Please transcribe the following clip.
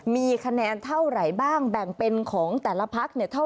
เป็นความแบ่งเป็นของแต่ละผัก